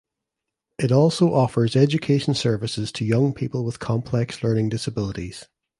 It also offers education services to young people with complex learning disabilities.